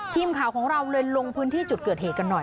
ทีมข่าวของเราเลยลงพื้นที่จุดเกิดเหตุกันหน่อย